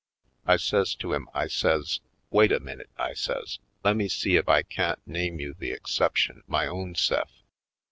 I says to him, I says : "Wait a minute," I says. "Lemme see ef I can't name you the exception my own se'f